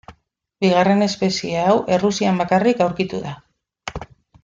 Bigarren espezie hau Errusian bakarrik aurkitu da.